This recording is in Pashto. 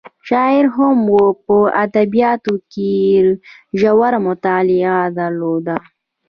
شاعره هم وه په ادبیاتو کې یې ژوره مطالعه درلوده.